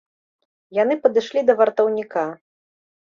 Яны падышлі да вартаўніка.